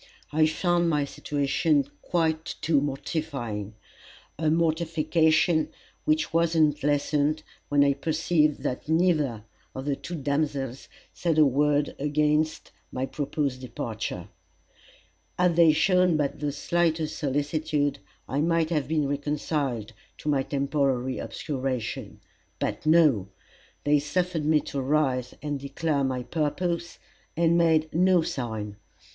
I found my situation quite too mortifying a mortification which was not lessened, when I perceived that neither of the two damsels said a word against my proposed departure. Had they shown but the slightest solicitude, I might have been reconciled to my temporary obscuration. But no! they suffered me to rise and declare my purpose, and made no sign.